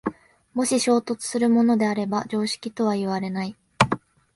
もし衝突するものであれば常識とはいわれない。